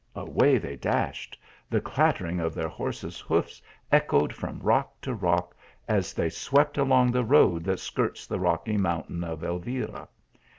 Away they dashed the clattering of their horses hoofs echoed from rock to rock as they swept along the road that skirts the rocky mountain of Elvira.